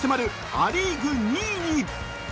ア・リーグ２位に。